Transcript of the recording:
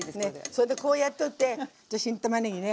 それでこうやっといて新たまねぎね